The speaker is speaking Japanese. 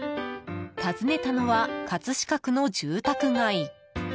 訪ねたのは葛飾区の住宅街。